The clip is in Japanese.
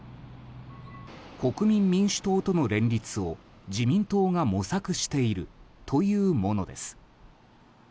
国民民主党との連立を自民党が模索しているというものです。